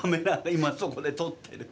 今そこで撮ってる。